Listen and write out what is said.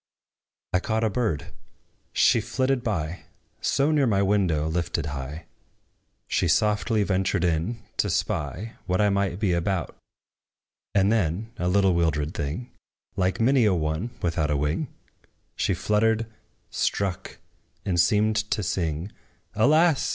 I caught a bird: She flitted by, So near my window lifted high, She softly ventured in, to spy What I might be about: And then, a little wildered thing, Like many a one without a wing, She fluttered, struck, and seemed to sing, "Alas!